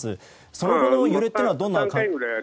その後の揺れというのは？